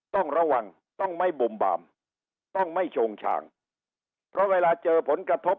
ต้องระวังต้องไม่บุ่มบามต้องไม่โชงฉางเพราะเวลาเจอผลกระทบ